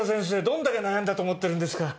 どんだけ悩んだと思ってるんですか！